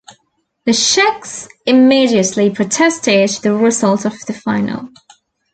The Czechs immediately protested the result of the final.